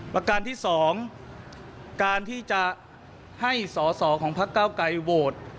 ประการที่๒การที่จะให้สอสอของพักเก้าไกรโหวต